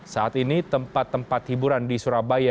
saat ini tempat tempat hiburan di surabaya